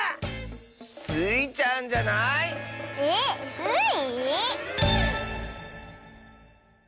スイちゃんじゃない⁉えっスイ？